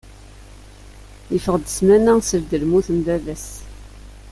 Yeffeɣ-d ssmana seld lmut n baba-s.